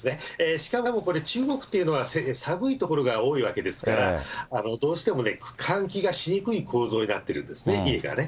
しかもこれは中国というのは寒い所が多いわけですから、どうしても換気がしにくい構造になっているんですね、家がね。